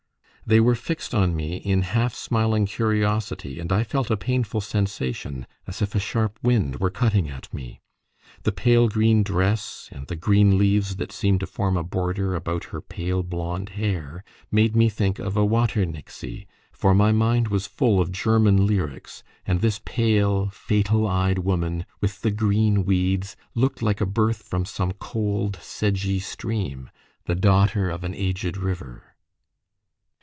They were fixed on me in half smiling curiosity, and I felt a painful sensation as if a sharp wind were cutting me. The pale green dress, and the green leaves that seemed to form a border about her pale blond hair, made me think of a Water Nixie for my mind was full of German lyrics, and this pale, fatal eyed woman, with the green weeds, looked like a birth from some cold sedgy stream, the daughter of an aged river.